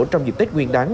trong dịp tết nguyên đại